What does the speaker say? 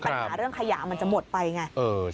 ปัญหาเรื่องขยะมันจะหมดไปไง